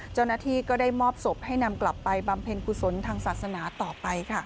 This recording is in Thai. เจ้าหน้าที่ก็ได้มอบศพให้นำกลับไปบำเพ็ญกุศลทางศาสนาต่อไปค่ะ